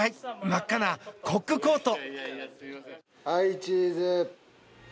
真っ赤なコックコート。